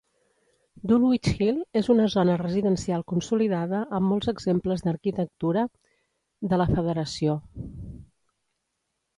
Dulwich Hill és una zona residencial consolidada amb molts exemples d'arquitectura de la Federació.